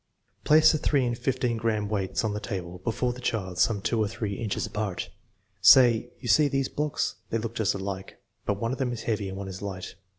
Place the 3 and 15 gram weights on the table before the child some two or three inches apart. Say: " You see these blocks. They look just alike, but one of them is heavy and one is light.